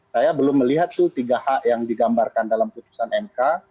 saya belum melihat tuh tiga hak yang digambarkan dalam putusan mk